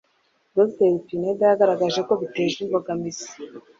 Dr Pineda yagaragaje ko biteje imbogamizi